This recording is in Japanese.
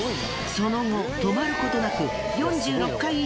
その後止まることなく。